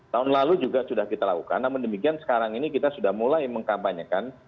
tahun lalu juga sudah kita lakukan namun demikian sekarang ini kita sudah mulai mengkampanyekan